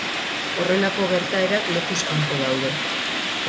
Horrelako gertaerak lekuz kanpo daude.